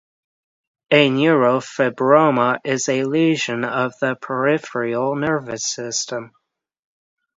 A neurofibroma is a lesion of the peripheral nervous system.